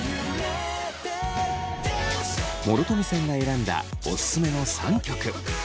諸富さんが選んだオススメの３曲。